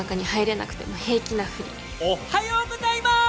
おっはようございます！